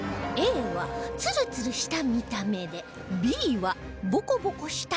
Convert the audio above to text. Ａ はツルツルした見た目で Ｂ はボコボコした表面